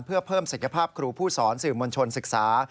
เพื่อเพิ่มศักยภาพครูผู้สอนสื่อมวลชนศึกษา